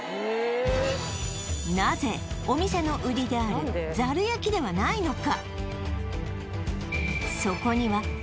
なぜお店の売りであるざる焼ではないのか？